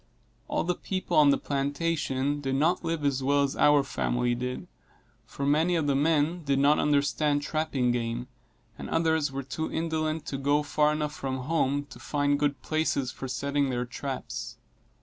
All the people on the plantation did not live as well as our family did, for many of the men did not understand trapping game, and others were too indolent to go far enough from home to find good places for setting their traps.